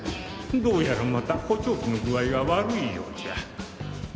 どうやらまた補聴器の具合が悪いようじゃ